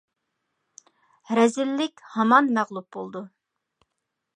رەزىللىك ھامان مەغلۇپ بولىدۇ!